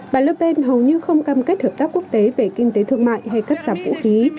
bà lerpen hầu như không cam kết hợp tác quốc tế về kinh tế thương mại hay cắt giảm vũ khí